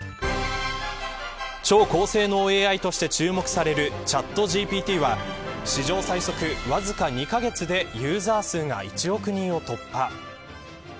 超高性能ＡＩとして注目されるＣｈａｔＧＰＴは、史上最速わずか２カ月でユーザー数が１億人を突破。